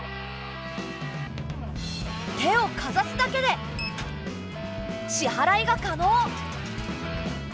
手をかざすだけで支払いが可能。